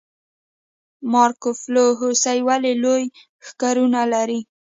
مارکوپولو هوسۍ ولې لوی ښکرونه لري؟